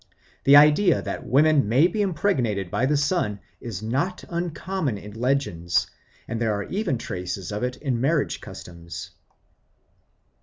The idea that women may be impregnated by the sun is not uncommon in legends, and there are even traces of it in marriage customs.